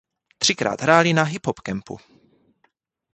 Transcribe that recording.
Třikrát hráli na Hip Hop Kempu.